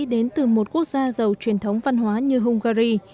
đến từ một quốc gia giàu truyền thống văn hóa như hungary